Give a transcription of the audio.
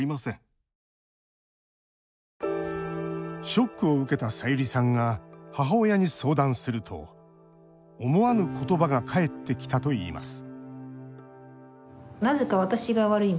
ショックを受けたさゆりさんが母親に相談すると、思わぬ言葉が返ってきたといいます